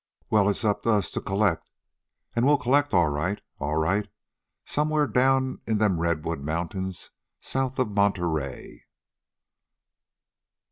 "Well, it's up to us to collect." "An' we'll collect all right, all right, somewhere down in them redwood mountains south of Monterey."